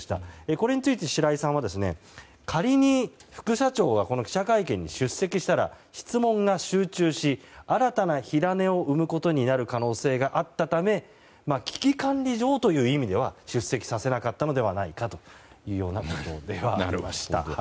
これについて白井さんは仮に副社長がこの記者会見に出席したら質問が集中し、新たな火種を生むことになる可能性があったため危機管理上という意味では出席させなかったのではないかということではありました。